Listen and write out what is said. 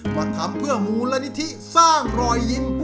ก็ทำเพื่อมูลนิธิสร้างรอยยิ้ม